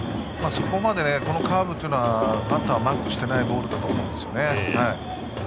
そこまでカーブはバッターはマークしていないボールだと思うんですよね。